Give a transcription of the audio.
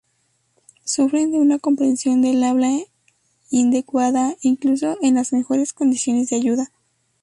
Sufren de una comprensión del habla inadecuada, incluso en las mejores condiciones de ayuda.